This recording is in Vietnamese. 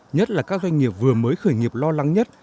nhất là các doanh nghiệp vừa mới khởi nghiệp lo lắng nhất